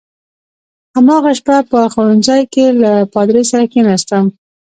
هماغه شپه په خوړنځای کې له پادري سره کېناستم.